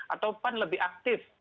atau pan lebih aktif